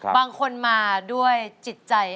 บางคนมาด้วยจิตใจ